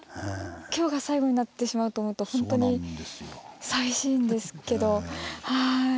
今日が最後になってしまうと思うとほんとに寂しいんですけどはい。